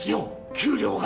給料が。